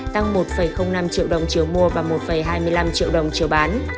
tăng một năm triệu đồng chiều mua và một hai mươi năm triệu đồng chiều bán